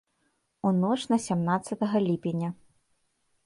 У ноч на сямнаццатага ліпеня.